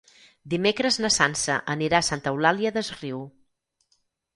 Dimecres na Sança anirà a Santa Eulària des Riu.